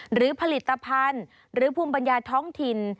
หรือผลิตภัณฑ์หรือภูมิปัญญาท้องถิ่น